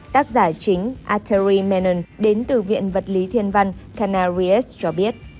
tác giả chính atari menon đến từ viện vật lý thiên văn canarias cho biết